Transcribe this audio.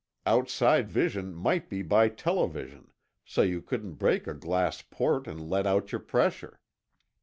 Outside vision might be by television, so you couldn't break a glass port and let out your pressure.